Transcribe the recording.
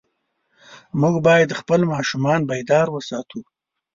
موږ باید خپل ماشومان بیدار وساتو.